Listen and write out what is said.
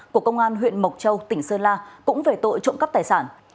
của công an huyện mộc châu tỉnh sơn la cũng về tội trộm cắp tài sản